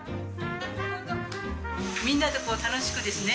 みんなとこう楽しくですね